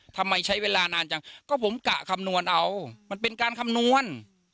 ทำไมใช้เวลานานจังก็ผมกะคำนวณเอามันเป็นการคำนวณ